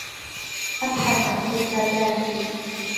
أبحث عن قفازاتي.